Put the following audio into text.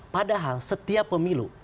padahal setiap pemilu